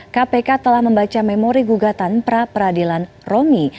kpk telah membaca memori gugatan pra peradilan romi